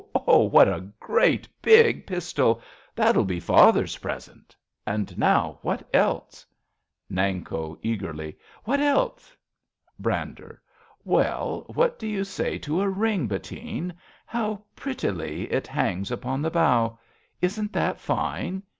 Oh ! What a great big pistol ! That'll be father's present! And now what elseV Nanko (eagerly). What else? Brander. Well, what do you say to a ring, Bettine ? How prettily it hangs upon the bough ! Isn't that fine?